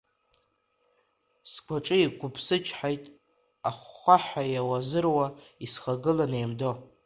Сгәаҿы игәыԥсычҳаит ахәхәаҳәа, иуазыруа исхагылан еимдо.